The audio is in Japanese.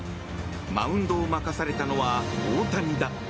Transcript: マウンドを任されたのは大谷だ！